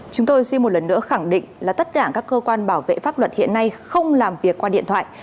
chúng tôi xin một lần nữa khẳng định là tất cả các cơ quan bảo vệ pháp luật hiện nay không làm việc qua điện thoại